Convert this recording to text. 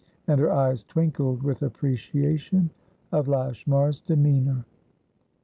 And her eyes twinkled with appreciation of Lashmar's demeanour.